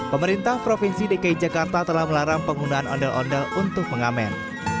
pemerintah provinsi dki jakarta telah melarang penggunaan ondel ondel untuk pengamen